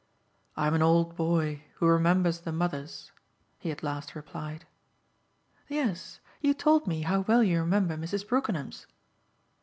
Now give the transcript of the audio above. "I'm an old boy who remembers the mothers," he at last replied. "Yes, you told me how well you remember Mrs. Brookenham's."